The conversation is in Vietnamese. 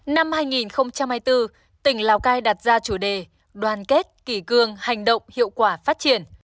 năm hai nghìn hai mươi bốn tỉnh lào cai đặt ra chủ đề đoàn kết kỷ cương hành động hiệu quả phát triển